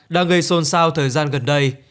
đang gây xôn xao thời gian gần đây